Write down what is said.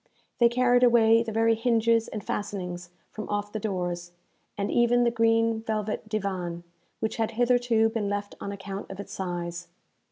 They carried away the very hinges and fastenings from off the doors, and even the green velvet divan, which had hitherto been left on account of its size.